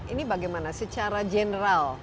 ini bagaimana secara general